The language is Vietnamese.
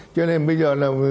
cho nên bây giờ